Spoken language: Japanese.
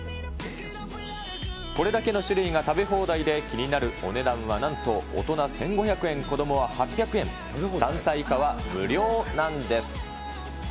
これだけの種類が食べ放題で、気になるお値段はなんと、大人１５００円、子どもは８００円、３歳以下は無料なんです。